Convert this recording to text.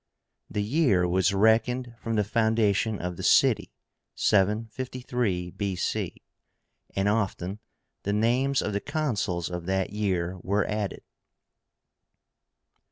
The year was reckoned from the foundation of the city (753 B.C.), and often the names of the Consuls of that year were added.